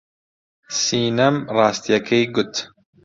سینەم ڕاستییەکەی گوت.